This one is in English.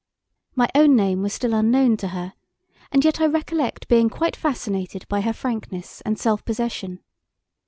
My own name was still unknown to her, and yet I recollect being quite fascinated by her frankness and self possession.